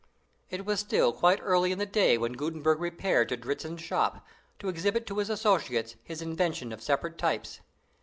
It was still quite early in the day when Gutenberg repaired to Dritzhn's shop, to exhibit to his associates his invention of separate types.